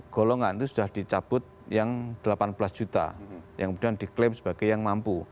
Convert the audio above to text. golongan itu sudah dicabut yang delapan belas juta yang kemudian diklaim sebagai yang mampu